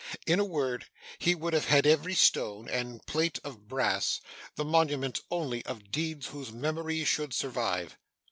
In a word, he would have had every stone, and plate of brass, the monument only of deeds whose memory should survive.